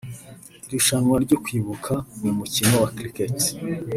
Irushanwa ryo kwibuka mu mukino wa Cricket